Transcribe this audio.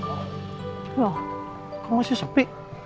kok masih sepi